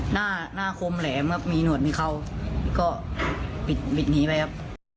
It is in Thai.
หน้าหน้าคมแหลมครับมีหนวดมีเข่าก็บิดหนีไปครับ